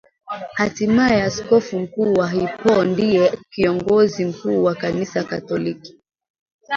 hatimaye askofu mkuu wa HippoNdiye kiongozi mkuu wa Kanisa Katoliki